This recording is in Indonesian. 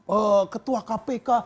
oh ketua kpk